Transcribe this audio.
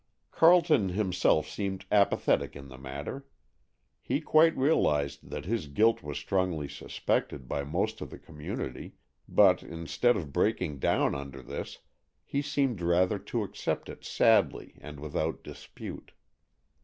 Carleton himself seemed apathetic in the matter. He quite realized that his guilt was strongly suspected by most of the community, but, instead of breaking down under this, he seemed rather to accept it sadly and without dispute.